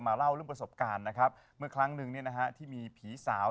สัมพเวศีเนี่ยต้องไหว้ข้างนอกตรงทางสามแพงหรือว่าบริเวณถนนไหว้หน้าบ้านยังไม่มาไหว้เลย